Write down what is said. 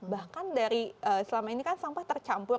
bahkan dari selama ini kan sampah tercampur